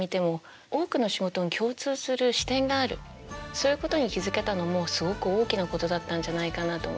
そういうことに気付けたのもすごく大きなことだったんじゃないかなと思います。